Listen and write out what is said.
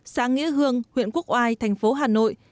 xã nghĩa hương huyện quốc oai thành phố hà nội